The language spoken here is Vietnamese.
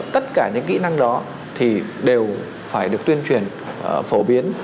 tất cả những kỹ năng đó thì đều phải được tuyên truyền phổ biến